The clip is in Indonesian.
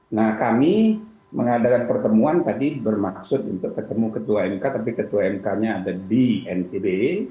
nah kami mengadakan pertemuan tadi bermaksud untuk ketemu ketua mk tapi ketua mk nya ada di ntb